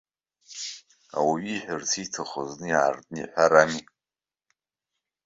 Ауаҩы ииҳәарц ииҭаху зны иаартны иҳәар ами.